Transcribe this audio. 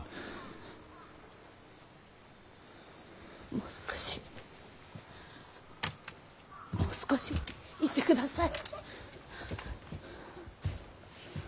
もう少しもう少しいてください。